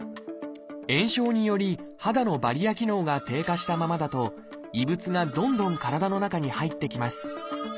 炎症により肌のバリア機能が低下したままだと異物がどんどん体の中に入ってきます。